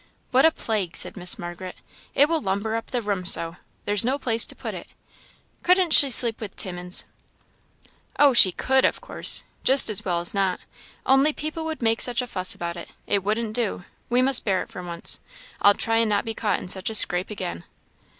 "What a plague!" said Miss Margaret. "It will lumber up the room so! There's no place to put it. Couldn't she sleep with Timmins?" "Oh, she could, of course just as well as not only people would make such a fuss about it it wouldn't do; we must bear it for once. I'll try and not be caught in such a scrape again."